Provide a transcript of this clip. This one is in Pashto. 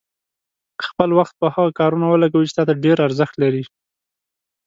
خپل وخت په هغه کارونو ولګوئ چې تا ته ډېر ارزښت لري.